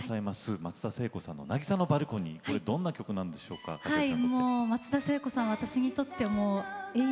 松田聖子さんの「渚のバルコニー」どんな曲なんでしょうか？